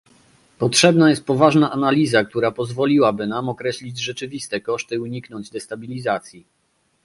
Potrzebna jest poważna analiza, która pozwoliłaby nam określić rzeczywiste koszty i uniknąć destabilizacji